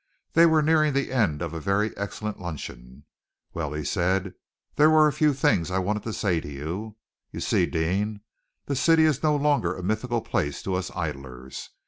They were nearing the end of a very excellent luncheon. "Well," he said, "there were a few things I wanted to say to you. You see, Deane, the city is no longer a mythical place to us idlers.